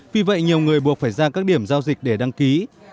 vì vậy nhiều người buộc phải ra các điểm giao dịch để đăng ký